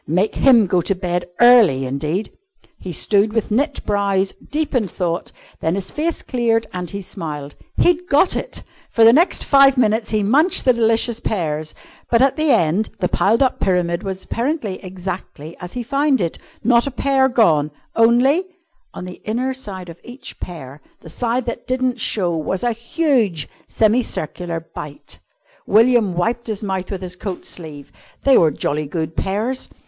Make him go to bed early indeed! He stood with knit brows, deep in thought, then his face cleared and he smiled. He'd got it! For the next five minutes he munched the delicious pears, but, at the end, the piled up pyramid was apparently exactly as he found it, not a pear gone, only on the inner side of each pear, the side that didn't show, was a huge semicircular bite. William wiped his mouth with his coat sleeve. They were jolly good pears.